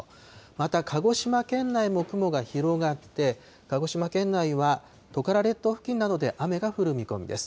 また、鹿児島県内も雲が広がって、鹿児島県内は、トカラ列島付近などで雨が降る見込みです。